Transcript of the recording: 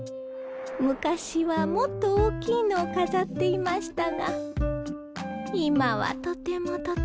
昔はもっと大きいのを飾っていましたが今はとてもとても。